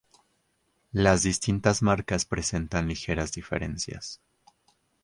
Las distintas marcas presentan ligeras diferencias.